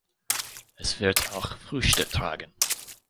Es wird auch Früchte tragen.